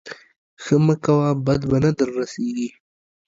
ښه مه کوه بد به نه در رسېږي.